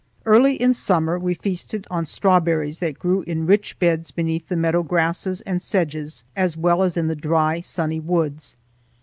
Early in summer we feasted on strawberries, that grew in rich beds beneath the meadow grasses and sedges as well as in the dry sunny woods.